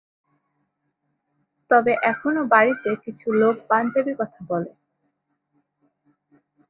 তবে, এখনও বাড়িতে কিছু লোক পাঞ্জাবি কথা বলেন।